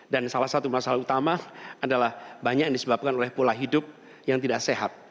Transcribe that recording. dan salah satu masalah utama adalah banyak yang disebabkan oleh pula hidup yang tidak sehat